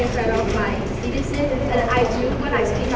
พวกมันจัดสินค้าที่๑๙นาที